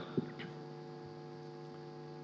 konvergensi program dan program kesehatan